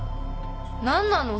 何なの？